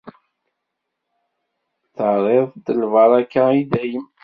Terriḍ-t d lbaraka i dayem.